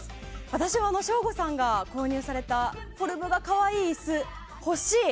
私は省吾さんが購入されたフォルムが可愛い椅子欲しい！